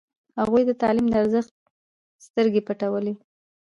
هغوی د تعلیم د ارزښت سترګې پټولې.